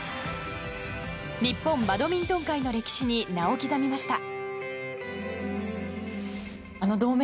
日本バドミントン界の歴史に名を刻みました。